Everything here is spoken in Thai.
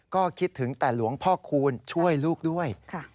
ก็คิดถึงแต่หลวงพ่อคูณช่วยลูกด้วย